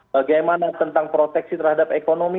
bagaimana tentang proteksi terhadap ekonomi